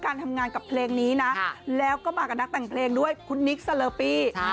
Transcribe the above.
การทำงานกับเพลงนี้นะแล้วก็มากับนักแต่งเพลงด้วยคุณนิกสเลอปี้